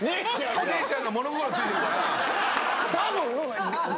お姉ちゃんが物心ついてるから。